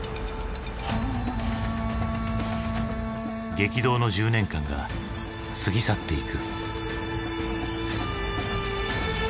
激動の１０年間が過ぎ去っていく。